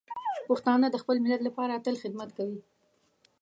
پښتانه د خپل ملت لپاره تل خدمت کوي.